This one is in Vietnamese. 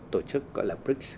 tổ chức gọi là brics